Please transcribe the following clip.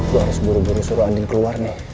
gue harus buru buru suruh andin keluar nih